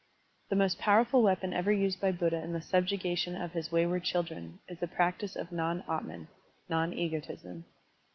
The most powerful weapon ever used by Buddha in the subjugation of his wayward children is the practice of non atman (non egotism).